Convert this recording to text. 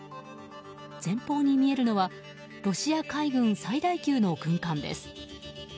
前方に見えるのはロシア海軍最大級の軍艦です。